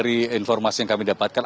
dari informasi yang kami dapatkan